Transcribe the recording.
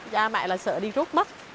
cha mẹ là sợ đi rút mất